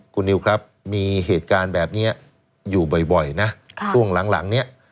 คุณนิวครับมีเหตุการณ์แบบนี้อยู่บ่อยนะช่วงหลังเนี่ย